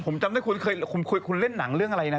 ผมจำได้คุณเคยคุณเล่นหนังเรื่องอะไรนะ